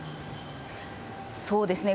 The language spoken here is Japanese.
そうですね。